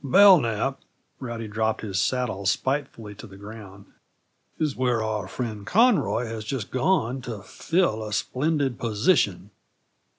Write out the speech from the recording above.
"Belknap" Rowdy dropped his saddle spitefully to the ground "is where our friend Conroy has just gone to fill a splendid position."